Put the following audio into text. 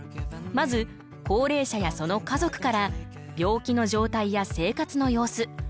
まず高齢者やその家族から病気の状態や生活の様子